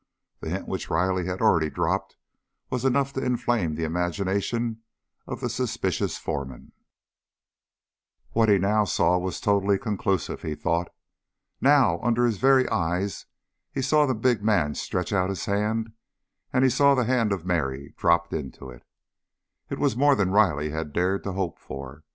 The hint which Riley had already dropped was enough to inflame the imagination of the suspicious foreman; what he now saw was totally conclusive, he thought. Now, under his very eyes, he saw the big man stretch out his hand, and he saw the hand of Mary dropped into it. It was more than Riley had dared to hope for.